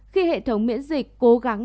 khi hệ thống miễn dịch cố gắng